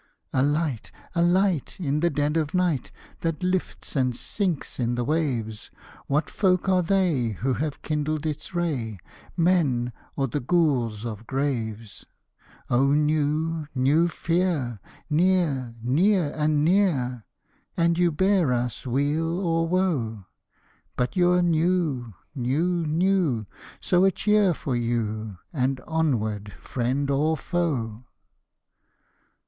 A light, a light, in the dead of night, That lifts and sinks in the waves! What folk are they who have kindled its ray, Men or the ghouls of graves? O new, new fear! near, near and near, And you bear us weal or woe! But you're new, new, new so a cheer for you! And onward friend or foe!